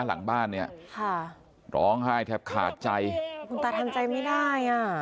หลังบ้านเนี่ยค่ะร้องไห้แทบขาดใจคุณตาทำใจไม่ได้อ่ะ